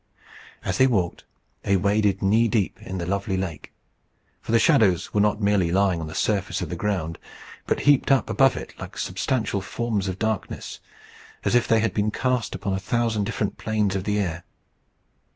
As they walked they waded knee deep in the lovely lake. For the shadows were not merely lying on the surface of the ground, but heaped up above it like substantial forms of darkness, as if they had been cast upon a thousand different planes of the air.